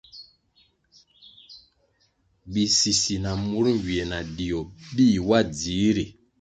Bisisi na mur nywie na dio bih wa dzihri.